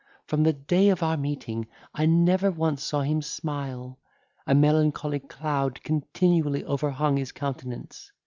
From the day of our meeting, I never once saw him smile; a melancholy cloud continually overhung his countenance.